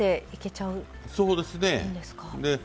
そうですね。